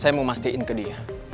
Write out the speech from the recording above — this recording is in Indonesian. saya mau mastiin ke dia